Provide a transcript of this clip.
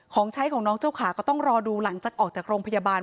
ของใช้ของน้องเจ้าขาก็ต้องรอดูหลังจากออกจากโรงพยาบาล